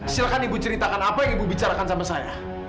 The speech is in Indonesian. silahkan ibu ceritakan apa yang ibu bicarakan sama saya